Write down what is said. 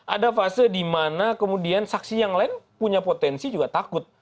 ada fase di mana kemudian saksi yang lain punya potensi juga takut